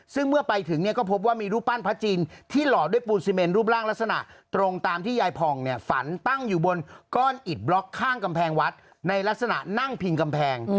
ซึ่งเมื่อไปถึงเนี่ยก็พบว่ามีรูปปั้นพระจินที่หล่อด้วยปูนซีเมนรูปร่างลักษณะตรงตามที่ยายผ่องเนี่ยฝันตั้งอยู่บนก้อนอิดบล็อกข้างกำแพงวัดในลักษณะนั่งพิงกำแพง